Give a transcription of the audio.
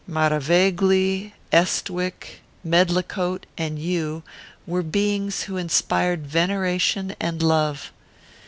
Maravegli, Estwick, Medlicote, and you, were beings who inspired veneration and love.